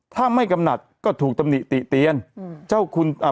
ถ้าไม่กำหนัดก็ถูกตำหนิติเตียนอืมเจ้าคุณอ่า